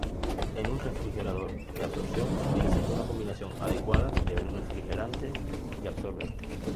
En un refrigerador de absorción, se utiliza una combinación adecuada de refrigerante y absorbente.